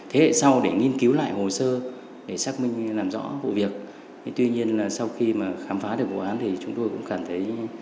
hãy đăng ký kênh để ủng hộ kênh của mình nhé